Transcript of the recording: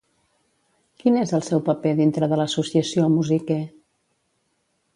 Quin és el seu paper dintre de l'Associació Mousiké?